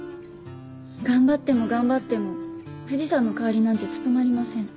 頑張っても頑張っても藤さんの代わりなんて務まりません。